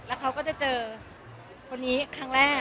เขาก็จะเจอคนนี้ครั้งแรก